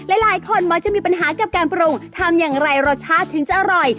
หลายคนมักจะมีปัญหากับการปรุงทำอย่างไรรสชาติถึงจะอร่อย